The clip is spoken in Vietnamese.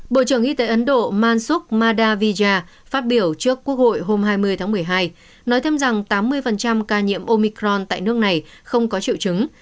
bộ trưởng y tế ấn độ mansuk mada via phát biểu trước quốc hội hôm hai mươi tháng một mươi hai nói thêm rằng tám mươi ca nhiễm omicron tại nước này không có triệu chứng